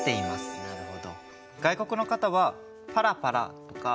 なるほど。